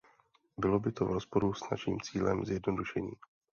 Bylo by to v rozporu s naším cílem zjednodušení.